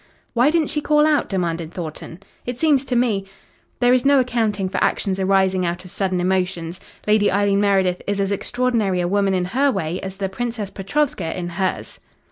"Why didn't she call out?" demanded Thornton. "It seems to me " "There is no accounting for actions arising out of sudden emotions. Lady Eileen Meredith is as extraordinary a woman in her way as the Princess Petrovska in hers.